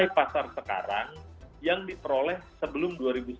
nilai pasar sekarang yang diperoleh sebelum dua ribu sepuluh